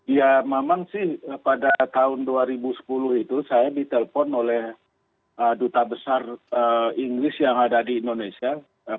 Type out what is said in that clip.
ya memang sih pada tahun dua ribu sepuluh itu saya ditelepon oleh duta besar inggris yang ada di indonesia